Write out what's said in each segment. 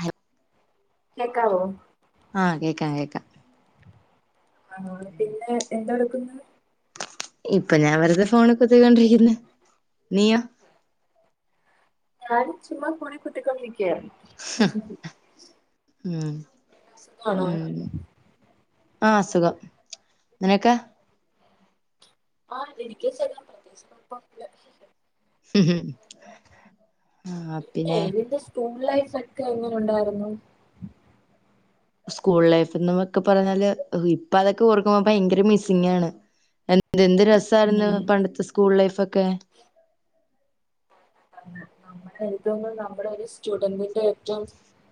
ഹൽ കേൾക്കാവേ ആഹ് കേൾക്കാം കേൾക്കാം പിന്നെ എന്താ എടുക്കുന്നു ഇപ്പൊ ഞാൻ വെറുതെ ഫോണിൽ കുത്തിക്കൊണ്ടിരിക്കുന്നു നീയോ ഞാൻ ചുമ്മ ഫോണിൽ കുത്തിക്കൊണ്ടിരിക്കുകയരുന്നു ഉം ആണോ ഉം ആഹ് സുഖം നിനക്കോ ആ എനിക്ക് സുഖാണ് പ്രത്യേകിച്ച് കുഴപ്പ ഉം ഉം ന്റെ സ്കൂൾ ലൈഫ് ഒക്കെ എങ്ങനെ ഉണ്ടായിരുന്നു സ്കൂൾ ലൈഫ് എന്നൊക്കെ പറഞ്ഞാല് ഇപ്പൊ അതൊക്കെ ഓർക്കുമ്പോ ഭയങ്കര മിസ്സിംഗാണ് ഇതെന്ത് രസായിരുന്നു ഉം. പണ്ടത്തെ സ്കൂൾ ലൈഫ് ഒക്കെ നമ്മത നമ്മുടെ ഒരു സ്റ്റുഡന്റിന്റെ ഏറ്റവും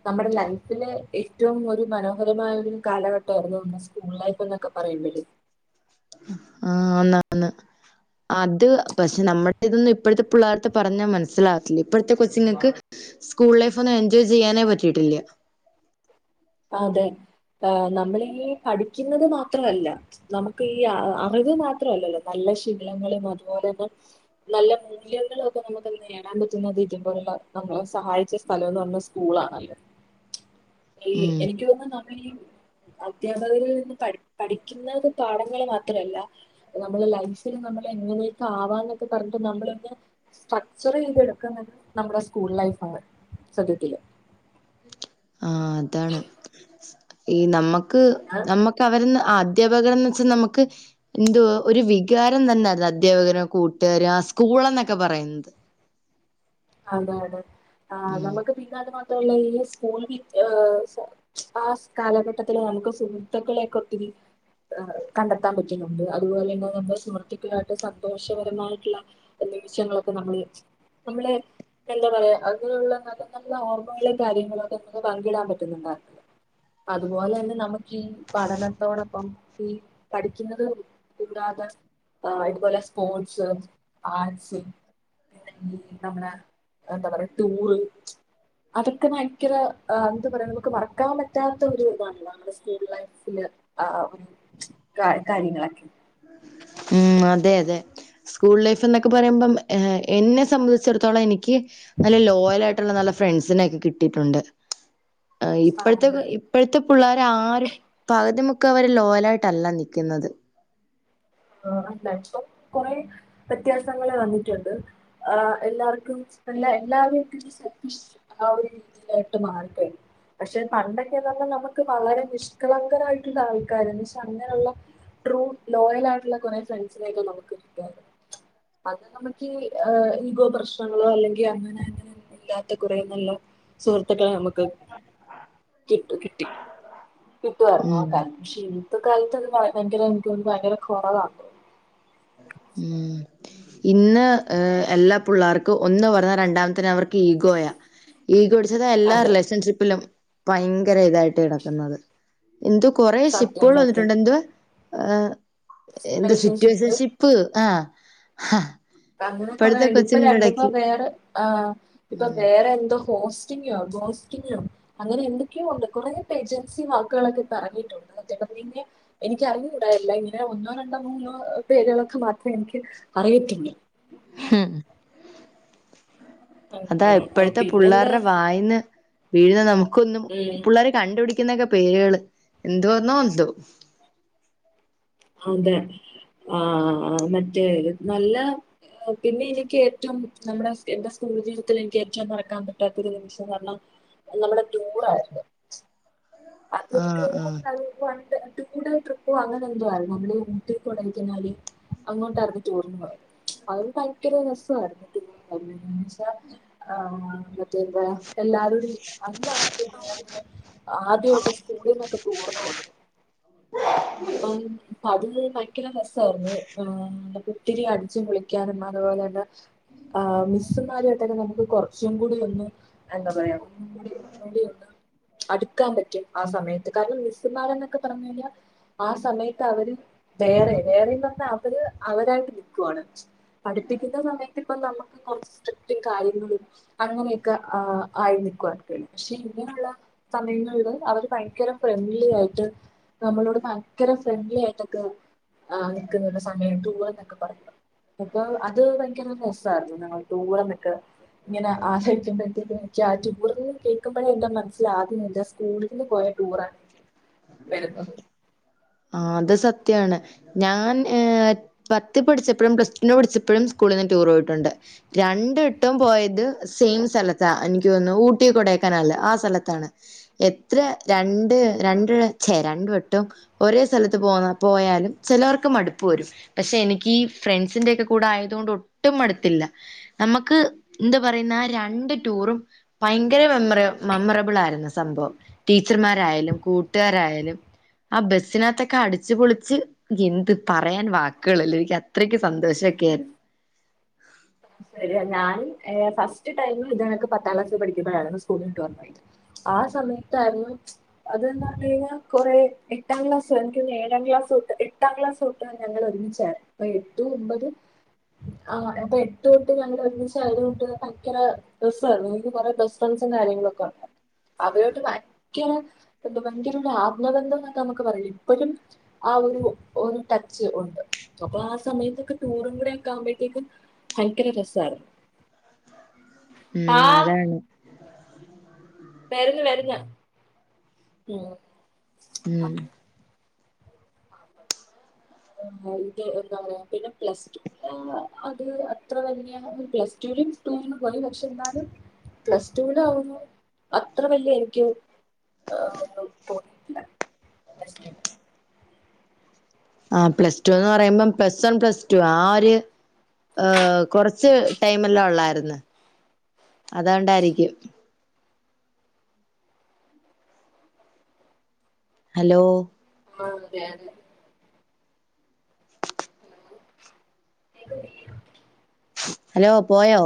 നമ്മുടെ ലൈഫിലെ ഏറ്റവും ഒരു മനോഹരമായ ഒരു കാലഘട്ടമായിരുന്നു സ്കൂൾ ലൈഫ് എന്നൊക്കെ പറയുമ്പഴേ ആഹ് ന്ന ന്ന് അത് പക്ഷെ നമ്മുടെ ഇതൊന്നും ഇപ്പോഴത്തെ പിള്ളേർത്തെ പറഞ്ഞാ മനസ്സിലാവത്തില്ല ഇപ്പോഴത്തെ കൊച്ചുങ്ങൾക്ക് സ്കൂൾ ലൈഫ് ഒന്നും എൻജോയ് ചെയ്യാനേ പറ്റിയിട്ടില്ല അതെ ആ നമ്മളീ പഠിക്കുന്നത് മാത്രമല്ല നമുക്ക് ഈ അറിവ് മാത്രല്ലല്ലോ നല്ല ശീലങ്ങളും അതുപോലെ തന്നെ നല്ല മൂല്യങ്ങളൊക്കെ നമുക്ക് നേടാൻ പറ്റുന്നത് ഇതപലുള്ള നമ്മളെ സഹായിച്ച സ്ഥലംന്ന് പറഞ്ഞ സ്കൂളാണല്ലോ ഈ ഉം എനിക്ക് തോന്നുന്നു നമ്മൾ അധ്യാപകരിൽ നിന്ന് പ പഠിക്കുന്ന പാഠങ്ങൾ മാത്ര മാല്ല നമ്മള് ലൈഫിൽ നമ്മൾ എങ്ങനെയൊക്കെ ആവാന്നൊക്കെ പറഞ്ഞ് നമ്മളൊക്കെ സ്ട്രക്ചർ ചെയ്ത് എടുക്കുന്നത് നമ്മുടെ സ്കൂൾ ലൈഫാണ് സത്യത്തില് ആഹ് അതാണ് ഈ നമുക്ക് ഞാൻ നമ്മക്ക് അവരന്ന് അധ്യാപകർന്ന് വെച്ചാൽ നമുക്ക് എന്ത ഒരു വികാരം തന്നെയായിരുന്നു അധ്യാപകനോ കൂട്ടുകാരോ ആ സ്കൂൾ എന്നൊക്കെ പറയുന്നത് അതെ അതെ ആ ഉം നമുക്ക് പിന്നാല മാത്രല്ല ഈ സ്കൂൾ വി ആ കാലഘട്ടത്തില് നമുക്ക് സുഹൃത്തുക്കളെക്ക ഒത്തിരി കണ്ടെത്താൻ പറ്റുന്നുണ്ട് അതുപോലെ തന്നെ നമ്മുടെ സുഹൃത്തുക്കളുമായിട്ട് സന്തോഷപരമായിട്ടുള്ള നിമിഷങ്ങളൊക്കെ നമ്മള് നമ്മളെ എന്താ പറയാ അങ്ങനെയുള്ള നല്ല നല്ല ഓർമ്മകളും കാര്യങ്ങളും ഒക്കെ നമ്മക്ക് പങ്കിടാൻ പറ്റുന്നുണ്ട്‌ അതുപോലെ ന്നെ നമുക്ക് ഈ പഠനത്തോടൊപ്പം ഈ പഠിക്കുന്നത് കൂടാതെ അതുപോലെ സ്പോർട്സ് ആർട്സ് ങ്കിൽ നമ്മുടെ എന്താ പറയാൻ ടൂർ അതൊക്കെ ഭയങ്കര എന്ത പറയാ നമുക്ക് മറക്കാൻ പറ്റാത്ത ഒരു ഇതാണല്ലോ നമ്മുടെ സ്കൂ ലൈഫിൽ ആ കാര്യങ്ങളൊക്കെ ഉം അതെ അതെ സ്കൂൾ ലൈഫ് എന്നൊക്കെ പറയുമ്പം എന്നെ സംബന്ധിച്ചിടത്തോളം എനിക്ക് നല്ല ലോയല ആയിട്ടുള്ള നല്ല ഫ്രണ്ട്സിനെക്കെ കിട്ടിയിട്ടുണ്ട് ആ, ഇപ്പോഴത്ത അതെ. പ്പോഴത്തെ പിള്ളേർ ആരും പകുതിമുക്കാവരെ ലോയലായിട്ടല്ല നിക്കുന്നത്. ആ [unintelligible] കുറെ വ്യത്യാസങ്ങൾ വന്നിട്ടുണ്ട്. ആ എല്ലാവർക്കും എല്ല എല്ലാ [unintelligible] ആ ഒരു രീതിയിലായിട്ട് മാറിക്കഴിഞ്ഞു. പക്ഷെ പണ്ടൊക്കെ ന്നെ പറഞ്ഞ നമുക്ക് വളരെ നിഷ്കളങ്കരായിട്ടുള്ള ആൾക്കാരന്ന് ക്ഷെ അങ്ങനെള്ള ട്രൂ ലോയൽ ആയിട്ടുള്ള കൊറേ ഫ്രണ്ട്സിനായക്കെ നമുക്ക് കിട്ടി അത് നമുക്ക് ഈഗോ പ്രശ്നങ്ങളോ അല്ലെങ്കിൽ അങ്ങനെ ങ്ങനെ ഇല്ലാത്ത കുറെ നല്ല സുഹൃത്തുക്കളെ നമുക്ക് [unintelligible] കിട്ടു കിട്ടി കിട്ടുമായിരുന്നു ആ ഉം കാലത്ത്. ക്ഷെ ഇന്നത്ത കാലത്ത് അത് ഭയങ്കര എനക്കൊന്ന് ഭയങ്കര കുറവ. ഉം. ഇന്ന് ഏഹ് എല്ലാ പുള്ളേർക്കും ഒന്ന് പറഞ്ഞാൽ രണ്ടാമത്തതിന് അവർക്ക് ഈഗോയ. ഈഗോടിച്ചത് എല്ലാ അതെ റിലേഷൻഷിപ്പിലും ഭയങ്കര ഇതായിട്ട് കിടക്കുന്നത്. എന്തുവാ കൊറെ സത്യം ഷിപ്പുകൾ സത്യം വന്നിട്ടുണ്ട്. എന്തുവാ സിറ്റുവേഷൻ റിലേഷൻഷിപ്പ് ഷി പ്പ് ആ ഹാ. അങ്ങനെ കൊറണ്ട് ഇപ്പൊ രണ്ടിപ്പോ വേറെ ആ ഇപ്പൊ ഉം വേറെന്തോ പോസ്റ്റിങ്ങിയോ ഗോസ്റ്റിംങ്ങോ? അങ്ങനെ എന്തൊക്കെയോ ണ്ട്. കുറെ ജൻസി വാക്കുകളൊക്കെ ഇപ്പോ എറങ്ങിയിട്ടുണ്ട്. എനിക്കറിഞ്ഞുകൂടാല്ല ഇങ്ങനെ ഒന്നോ രണ്ടോ മൂന്നോ പേരുകളൊക്കെ മാത്രേ എനിക്ക് അറിയത്തോള്ളൂ. ഉം. അതാ ആഹ് ഇപ്പോഴത്തെ പിന്നെന്താ പിള്ളേരുടെ വായന്ന് വീഴുന്ന നമുക്കൊന്നും ഉം പിള്ളരെ കണ്ടുപിടിക്കുന്നൊക്കെ പേരുകള് എന്തുവാന്നോന്തോ? അതെ ആ മറ്റേ നല്ല. പിന്നെ എനിക്ക് ഏറ്റവും നമ്മുടെ എന്റെ സ്കൂൾ ജീവിതത്തിൽ എനിക്ക് ഏറ്റവും മറക്കാൻ പറ്റാത്ത ഒരു നിമിഷം ന്ന് പറഞ്ഞാ നമ്മുടെ ടൂറായിരുന്ന് ആഹ ആ അ [unintelligible] കൂട ട്രിപ്പ അങ്ങനെ എന്തോ ആയിരുന്നു നമ്മുടെ ഊട്ടി കൊടക്കതിനാല് അങ്ങോട്ടായിരുന്നു ടൂറിന് പോയത്. അത ഭയങ്കര രസമായിന്നട്ടെ എന്നേച്ചാ ആ മറ്റേന്താ എല്ലാരടും അന്നാണ് തന്നന്ന് ആദ്യമായിട്ട് സ്കൂളിന്നൊക്കെ റ്റൂർന് പോണെ. ആ [unintelligible] ആത്യൊക്കെ അത് ഭയങ്കര രസയിരുന്നു ഒത്തിരി അടിച്ചു പൊളിക്കാനും അതുപോലെ തന്നെ ആഹ് മിസ്സമാരുമായിട്ടക്കെ നമുക്ക് കൊറ ച്ചും കൂടി ഒന്ന് എന്താ പറയാ ഒന്നും കൂടി ഒന്ന് അടുക്കാൻ പറ്റും ആ സമയത്ത്. കാരണം മിസ്സിമാർ ന്നൊക്കെ പറഞ്ഞാൽ ആ സമയത്ത് അവര് വേറെ വേറെന്ന് പറഞ്ഞാ അവര് അവരായിട്ട് കോളേജ് പഠിപ്പിക്കുന്ന സമയത്ത് ഇപ്പ നമുക്ക് കൊറച്ച് സ്‌ട്രിക്‌ട്ടും കാര്യങ്ങളും അങ്ങനെയൊക്കെ ആ ആയി നിക്കവാർക്കാണ്. പക്ഷെ ഇങ്ങനെള്ള സമയങ്ങളില് അവര് ഭയങ്കര ഫ്രണ്ട്ലി ആയിട്ട് നമ്മളോട് [unintelligible] ങ്കരം ഫ്രണ്ട്ലി ആയിട്ടൊക്കെ ആ നിക്കുന്ന ഒരു സമയത്ത് ടൂർ എന്നൊക്കെ പറയുന്നത്. അപ്പൊ അത് ഭയങ്കര രസമായിരുന്നു. ങ്ങൾ ടൂറെന്നൊക്കെ ഇങ്ങനെ ആശടിക്കുമ്പഴത്തേക്കും എനിക്ക് ആ ടൂറിൽ നിന്ന് കേൾക്കുമ്പഴതേക്കും [unintelligible] എന്റെ മനസ്സില് സ്കൂളിൽ നിന്ന് പോയ ടൂറണ്. എനക്കത് ആ ത് സത്യാണ്. ഞാൻ ഏ പത്ത് പഠിച്ചപ്പഴും പ്ലസ് ടു പഠിച്ചപ്പഴും സ്കൂളിൾന്ന് ടൂർ പോയിട്ടുണ്ട്. രണ്ടട്ടും പോയത് സെയിം സ്ഥലത്താ എനിക്ക് തോന്നുന്നു ഊട്ടി കൊടയക്കാനാല് ആ സ്ഥലത്താണ്. എത്ര രണ്ട് രണ്ട ച്ചേ രണ്ട വട്ടും ഒരേ സ്ഥലത്ത് പോന്നാ പോയാലും ചിലവർക്ക് മടുപ്പ് വരും. പക്ഷെ എനിക്ക് ഈ ഫ്രണ്ട്സിന്റെയൊക്കെ കൂടെ ആയോണ്ട് കൊണ്ട് ഒട്ടും മടുത്തില്ല. നമക്ക് എന്താ പറയുന്ന രണ്ട് ടൂറും ഭയങ്കര മെമ്മറ മെമ്മറബിൾ ആയിരുന്ന സംഭവം ടീച്ചർമാരായാലും കൂട്ടുകാരായാലും ആ ബസ്സിനകത്തൊക്കെ അടിച്ച് പൊളിച്ച് എന്ത് പറയാൻ വാക്കുകളില്ല എനിക്കത്രക്ക് സന്തോഷൊക്കെ ആയിരുന്നു ശരി ഞാ ഫസ്റ്റ് ടൈമ ഇത്ങ്ങൊക്ക് പത്താം ക്ലാസ്ൽ പഠിക്ക്പഴാ സ്കൂളിൽട്ട്ത് ആ സമയത്തായിരുന്നു അതന്ന് പറഞ്ഞ കഴിഞ്ഞാ കൊറെ എട്ടാം ക്ലാസ് എനക്ക് തോന്നുന്നു ഏഴാം ക്ലാസ് തൊട്ട് എട്ടാം ക്ലാസ് ഞങ്ങൾ ഒരുങ്ങിച്ചേരാ അപ്പ എട്ടു ഒമ്പത് ആ അപ്പൊ എട്ടുട്ട ഞ ഒരുമിച് ആയതുകണ്ട് ഭയങ്കര രരുന്നു എനിക്ക് കുറേ ബസ്റ്റ് ഫ്രൻസും കാര്യങ്ങളും ഒക്കെ ഉണ്ട് അവരോട്ട് വയക്ക എന്ത ഭയങ്കര ഒരു ആത്മബന്ധം എന്നക്കെ നമുക്ക് പറയാ ഇപ്പോഴും ആ ഒരു ഒരു ടച്ച് ഉണ്ട് അപ്പൊ ആ സമയത്തൊക്കെ ടൂറും കൂടെ ഒക്ക ആമ്പോഴത്തേക്കും ഭയങ്കര രസ ഉം ആഹ് അതാണ് വര് ന്ന് വരുന്ന ഉം ഉം ആഹ് ഇത് എന്താ പറയാ പിന്നെ പ്ലസ് അത് അത്ര വലിയ പ്ലസ് ടുവില് പോലും പക്ഷെ എന്നാലും പ്ലസ് ടൂവി ആവുന്നു അത്ര വല്യ എക്ക് ആഹ് ഒ തോണിയിട്ടില്ലസ് ആഹ് പ്ലസ് ടു എന്ന് പറയുമ്പം പ്ലസ് വൺ പ്ലസ് ടു ആഹ് ഒരു ഏ കൊറച്ച് ടൈമല്ലാം ഉള്ളായിന്ന് അതുകൊണ്ടായിരിക്കും ഹലോ ആഹ് അതെ അതെ ഹലോ പോയോ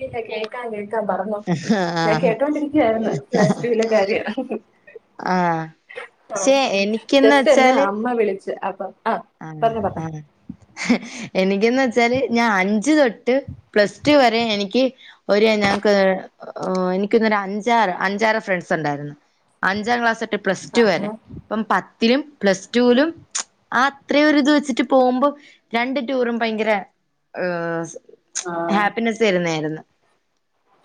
തക്കെ കേക്കാ കേൾക്കാൻ പറഞ്ഞു ഞാൻ ആഹ് കേട്ടോണ്ടിരിക്കായിരുന്നു പ്ലസ് ടുവിലെ കാര്യം ആഹ് പക്ഷെ എനിക്കെന്ന് ജസ്റ്റ് എന്നെ വെച്ചാല് അമ്മ വിളിച്ചു അപ്പൊ ആഹ് ആഹ് ആഹ് എനിക്കന്ന് വെച്ചാല് ഞാൻ അച് ജ് തൊട്ട് പ്ലസ് ടു വരെ എനിക്ക് ഒ ഞങ്ങക്ക് എനിക്കൊന്നൊരു അഞ്ചാറ് അഞ്ചാറ് ഫ്രണ്ട്സ് ഉണ്ടായിരുന്നു അഞ്ചാം ക്ലാസട്ട് പ്ലസ് ടു വരെ പറഞ്ഞോ ഇപ്പം പത്തിലും പ്ലസ് ടുവിലും ആഹ് അത്രയ ഇത് വെച്ചിട്ട് പോകുമ്പോ രണ്ട് ടൂറും ഭയങ്കര ഏഹ് ആഹ് ഹാപ്പിനെസ് വരുന്നായിരുന്നു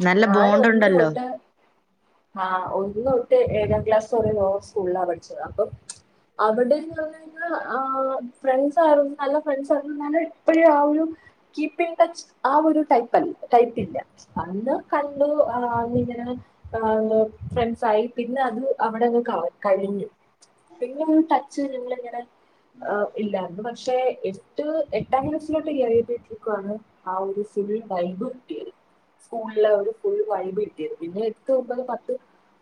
നല്ല ബോണ്ട് ഉണ്ടല്ലോ ആഹ് ഒന്ന് തൊട്ട് ഏഴാം ക്ലാസ് പറയോ സ്കൂളിലാണ് പഠിച്ചത് അപ്പൊ അവടെ ഫ്രണ്ട്സയിരുന്നു നല്ല ഫ്രണ്ട്സ ആായിരുന്നു ഇപ്പഴ ആ ഒരു കീപ്പ് ഇൻ ടച്ച് ആ ഒരു ടൈപ്പല്ല ടൈപ്പ് ഇല്ല അന്ന് കണ്ടു ആ ഇങ്ങെനെ ആഹ് ഫ്രണ്ട്സ് ആയി പിന്നെ അത് അവടെ കള കഴിഞ്ഞു പിന്നെ ടച്ച് നിങ്ങള എങ്ങനെ ആഹ് ഇല്ലായിരുന്നു പക്ഷെ എട്ട് എട്ടാം ക്ലാസ്സിലോട്ട് ഈ അറിയപ്പെട്ടിരിക്കുവയാണ് ആഹ് ഒരു സിൾ ഡൈബ് കിട്ടിയല്ല ഫോണില് അവര് ഫുൾ വൈബ് കിട്ടിയത് പിന്നെ എടുത്തുമ്പത് പത്ത്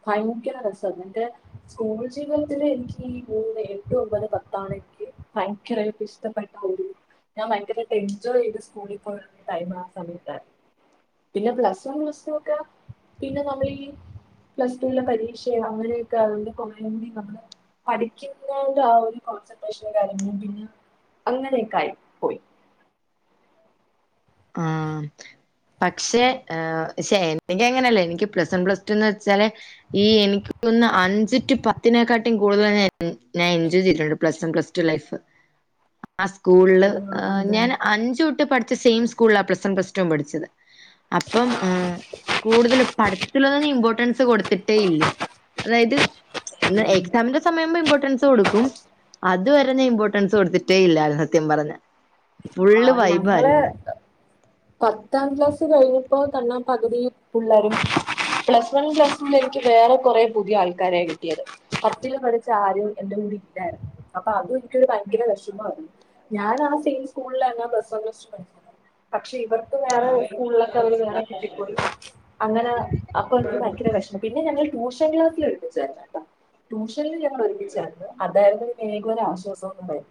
ഭയങ്കര രസം എന്റെ സ്കൂൾ ജീവിതത്തില് എനിക്ക് ഈ മൂന്ന് എട്ട് ഒമ്പത് പത്താണ്നിക്ക് ഭയങ്കരമായിക്ക ഇഷ്ടപ്പെട്ട ഒര് ഞാൻ ഭയങ്കരയിട്ട് എൻജോയ് ചെയ്ത് സ്കൂളിൽ പോയ ടൈം ആ സമയത്തായി പിന്നെ പ്ലസ് വൺ പ്ലസ് ടു ഒക്കെ പിന്നെ നമ്മൾ ഈ പ്ലസ് ടു ൻ്റെ പരീക്ഷയോ അങ്ങനെയൊക്കെ അതുകൊണ്ട് പോയ നമ്മള് പഠിക്കുന്നതിൻ്റെആ ഒരു കോൺസെൻട്രേഷനും കാര്യങ്ങളും പിന്നെ അങ്ങനെയൊക്കെ ആയി പോയി ആഹ് പക്ഷേ ഏ ശേ എനക്ക് എങ്ങനെയല്ല എനിക്ക് പ്ലസ് വൺ പ്ലസ് ടു എന്ന് വെച്ചാല് ഈ എനിക്ക് പിന്നെ അഞ്ച് ടു പത്തിനെക്കാട്ടും കൂടുതല ഞാൻ എൻജോയ് ചെയ്തിട്ടുണ്ട് plus one plus two life ആഹ് സ്കൂളില് ആഹ് അതെ ഞാൻ അഞ്ച് തൊട്ട് പഠിച്ച സെയിം സ്കൂളിലാ പ്ലസ് വൺ പ്ലസ് ടു ൻ പഠിച്ചത് അപ്പം ആഹ് കൂടുതൽ പഠത്തിലൊന്നും ഇമ്പോർട്ടൻസ് കൊടുത്തിട്ടേ ഇല്ല അതായത് ഇ എക്സാമിന്റെെ സമയവുമ്പം ഇമ്പോർട്ടൻസ് കൊടുക്കും അത് വരെ ഞാൻ ഇമ്പോർട്ടൻസ് കൊടുത്തിട്ടേ ഇല്ല സത്യം പറഞ്ഞഞ് ഫുള്ള് ആഹ് ഞങ്ങള് വൈബായിരുന്നു പത്താം ക്ലാസ് കഴിഞ്ഞപ്പോ തന്നാ പകുതി പിള്ളാരും പ്ലസ് വൺ പ്ലസ് [unintelligible] ക്ക് വേറെ കൊറേ പുതിയ ആൾക്കാരെയാ കിട്ടിയത് പത്തില് പഠിച്ച ആരും എന്റെ കൂടെ ഇല്ലാരുന്നു അപ്പൊ അതും എനിക്കൊരു ഭയങ്കര വെഷമവാരുന്നു ഞാൻ ആണാ സെയിം സ്കൂളിലാ ഞാൻ പ്ലസ് വൺ പ്ലസ് ടൂ പഠിച്ചേ പക്ഷേ ഇവർ ക്ക് വേറെ സ്കൂളിലൊക്കെ അവര് വേറെ കിട്ടിപ്പോയി അങ്ങനെ അപ്പൊ എനിക്ക് ഭയങ്കര വെഷ പിന്നെ ഞങ്ങൾ ട്യൂഷൻ ക്ലാസ്സിൽ ഒരുമിച്ചാരുന്നു കേട്ടോ ട്യൂഷനിൽ ഞങ്ങൾ ഒരുമിച്ചാരുന്നു അതാരുന്നു പിന്നെങ്കിലും ഒരാശ്വാസം [unintelligible]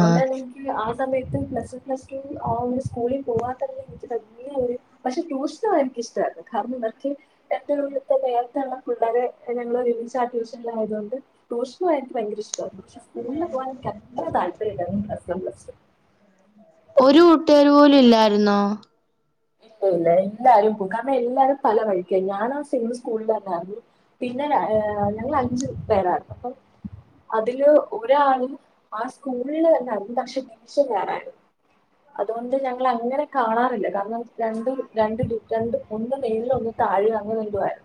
[unintelligible] ആഹ് എനിക്ക് ആ സമയത്ത് പ്ലസ് പ്ലസ് ടൂ ആഹ് ഒരു സ്കൂളിൽ പോവാൻ തന്നെ എനിക്ക് വല്യ ഒരു പക്ഷെ ട്യൂഷന് പോവാൻ എനിക്ക് ഇഷ്ടാരുന്നു കാരണം ഇവർക്ക് [unintelligible] പിള്ളാരെ ഞങ്ങള് ഒരുമിച്ച് ആക്കിയേഷം [unintelligible] ആയതുകൊണ്ട് ട്യൂഷന് പോയാ എനിക്ക് ഭയങ്കര ഇഷ് [unintelligible] പോവാൻ എനിക്ക് അത്ര താല്പര്യമില്ലാരുന്നു പ്ലസ് വൺ പ്ലസ് ടൂ ഒരു കൂട്ടുകാര് പോലും ഇല്ലാരുന്നോ ഇല്ല എല്ലാരും പോയ കാരണം എല്ലാരും പല വഴിക്കായി ഞാനാ സെയിം സ്കൂളിൽ തന്നാരുന്നു പിന്നെ ര ഏഹ് ഞങ്ങൾ അഞ്ചു പേരാരുന്നു അതില് ഒരാളും ആഹ് സ്കൂളില് തന്നെ [unintelligible] [unintelligible] അതുകൊണ്ട് ഞങ്ങൾ അങ്ങനെ കാണാറില്ല കാരണം രണ്ടും രണ്ട് ടു ഷൻണ്ട് ഒന്ന് മേളിലും ഒന്ന് താഴെയും അങ്ങനെ നിക്കുവാരുന്നു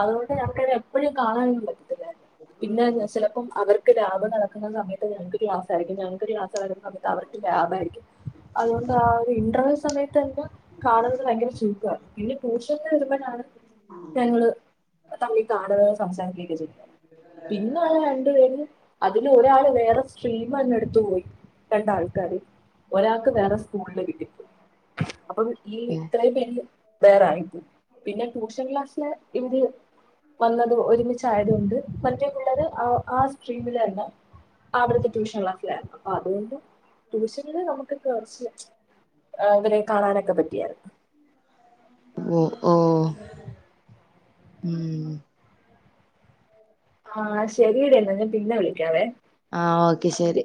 അതുകൊണ്ട് ഞങ്ങക്ക് അങ്ങനെ എപ്പഴും കാണാനൊന്നും പറ്റത്തില്ലാരുന്നു പിന്നെ ചെലപ്പം അവർക്ക് ലാബ് നടക്കുന്ന സമയത്ത് ഞങ്ങക്ക് ക്ലാസ് ആരിക്കും ഞങ്ങക്ക് ക്ലാ സമയത്ത് അവർക്ക് ലാബാരിക്കും അതുകൊണ്ട് ആഹ് ഒരു ഇന്റർവൽ സമയത്ത് [unintelligible] കാണുന്നത് ഭയങ്കര ചുരുക്കാ പിന്നെ ട്യൂഷന്ന് ചെല്ലുമ്പളാണ് ഞങ്ങള് തമ്മിൽ കാണുകയോ സംസാരിക്കുകയോ ഒക്കെ ചെയ്യുന്നത് പിന്നൊള്ള രണ്ട് പേരും അതില് ഒരാള് വേറെ സ്ട്രീം തന്നെ എടുത്തു പോയി രണ്ടാൾക്കാര് ഒരാക്ക് വേറെ സ്കൂളില് കിട്ടി പോയി അപ്പം ഈ ഓ ഇത്രേം പേരില് വേറാരിക്കും പിന്നെ ട്യൂഷൻ ക്ലാസ്സില് ഇവര് വന്നത് ഒരുമിച്ചായത് കൊണ്ട് മറ്റേ പിള്ളാര് ആഹ് ആഹ് സ്ട്രീമില് തന്നെ അവിടുത്തെ ട്യൂഷൻ ക്ലാസ്സിലാരുന്നു അതുകൊണ്ട് ട്യൂഷനില് നമുക്ക് ക്ക് കൊറച്ച് ആഹ് ഇവരെ കാണാനക്കെ പ ഉം ഉം ആഹ് ശെരിയെടി എന്നാ ഞാൻ പിന്നെ വിളിക്കാവേ ആഹ് ഓക്കെ ശെരി